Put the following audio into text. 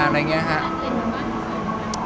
มันสนุกจริงนะเราไม่ต้องมาเก๊กไม่ต้องมาแบบว่าทำตัวดีตลอดเวลา